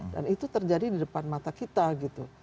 dan itu terjadi di depan mata kita gitu